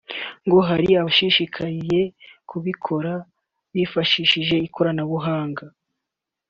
ngo hari abashishikariye kubikora bifashishije ikoranabuanga